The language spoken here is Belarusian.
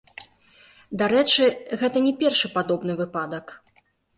Дарэчы, гэта не першы падобны выпадак.